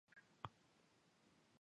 奈良県吉野町